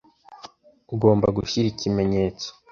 Ugomba gushyira ikimenyetso